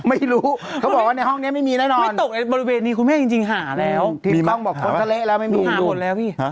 ไม่รู้เขาบอกว่าในห้องเนี้ยไม่มีแน่นอน